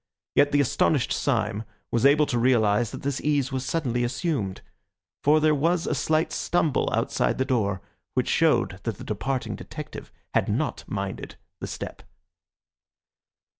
Yet the astonished Syme was able to realise that this ease was suddenly assumed; for there was a slight stumble outside the door, which showed that the departing detective had not minded the step.